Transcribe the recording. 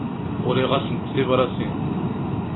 Uriɣ-asent tibratin.